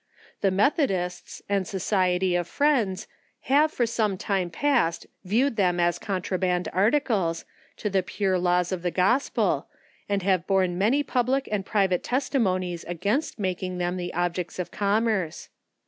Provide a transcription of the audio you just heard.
The Methodists, and society of Friends, have for some time past, viewed them as contraband ar ticles, to the pure laws of the gospel, and have borne many public and private testimonies, against making them the objects of commerce.